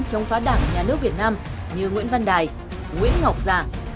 chống phá đảng nhà nước việt nam như nguyễn văn đài nguyễn ngọc giả